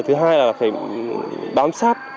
thứ hai là phải bám sát